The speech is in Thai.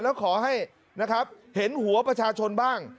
แล้วขอให้นะครับเห็นหัวประชาชนบ้าง